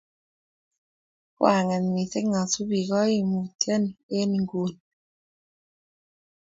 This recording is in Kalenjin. Ko ang'et missing asupi kaimutieni eng inguno.